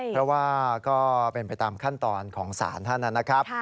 เพราะว่าก็เป็นไปตามขั้นตอนของศาลท่านนะครับ